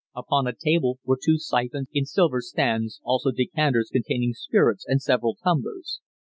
Upon a table were two syphons in silver stands, also decanters containing spirits, and several tumblers.